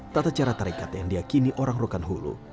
tata cara tarekat yang diakini orang rokan hulu